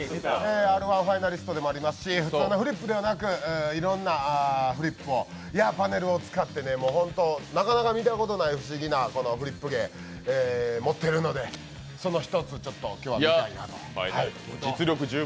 「Ｒ−１」ファイナリストでもありますし、普通のフリップではなくいろんなフリップやパネルを使ってなかなか見たことない不思議なフリップ芸を持っているので、その１つ、今日は見ていただきたい。